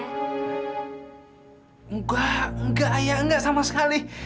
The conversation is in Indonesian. enggak enggak ayah enggak sama sekali